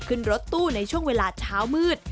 ขึ้นรถตู้ในช่วงเวลาเช้ามืด